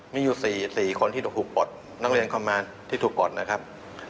มีอยู่๔คนที่ถูกปลดนักเรียนคอมมารที่ถูกปลดนะครับ